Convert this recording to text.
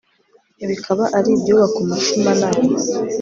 bikaba ari ibyubaka umutima nama